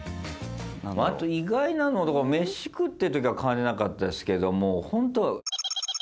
あと意外なの飯食ってる時は感じなかったですけども。